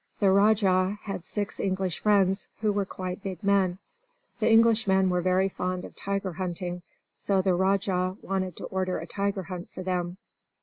The Rajah had six English friends, who were quite big men. The Englishmen were very fond of tiger hunting, so the Rajah wanted to order a tiger hunt for them.